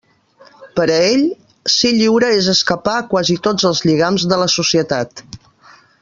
Per a ell, ser lliure és escapar a quasi tots els lligams de la societat.